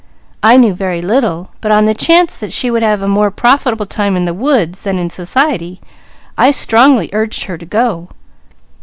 I knew very little, but on the chance that she would have a more profitable time in the woods than in society, I strongly urged her to go.